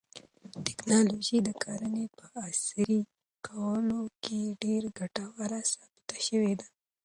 تکنالوژي د کرنې په عصري کولو کې ډېره ګټوره ثابته شوې ده.